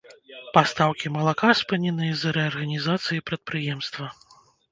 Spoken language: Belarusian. Пастаўкі малака спыненыя з-за рэарганізацыі прадпрыемства.